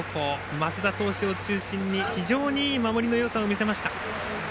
升田投手を中心に非常にいい守りのよさを見せました。